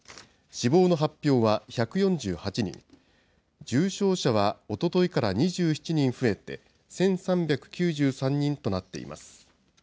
死亡の発表は１４８人、重症者は、おとといから２７人増えて、１３９３人となっています。